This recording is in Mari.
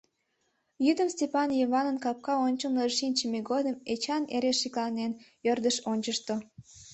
Йӱдым Стапан Йыванын капка ончылныжо шинчыме годым Эчан эре шекланен, ӧрдыш ончышто.